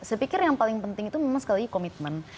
saya pikir yang paling penting itu memang sekali lagi komitmen